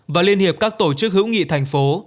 và liên hiệp các tổ chức hữu nghị thành phố